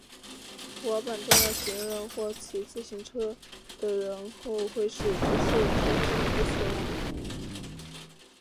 滑板撞到行人或骑自行车的人后会使之受伤甚至死亡。